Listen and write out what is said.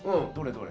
どれ？